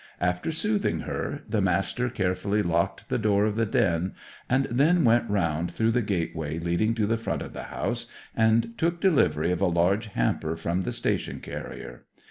After soothing her, the Master carefully locked the door of the den, and then went round through the gateway leading to the front of the house, and took delivery of a large hamper from the station carrier.